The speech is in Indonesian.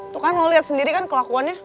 tuh kan lo liat sendiri kan kelakuannya